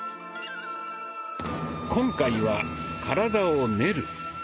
今回は「体を練る」。